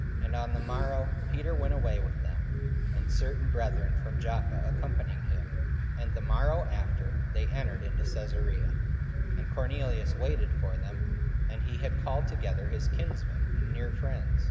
And on the morrow Peter went away with them, and certain brethren from Joppa accompanied him. 44:010:024 And the morrow after they entered into Caesarea. And Cornelius waited for them, and he had called together his kinsmen and near friends.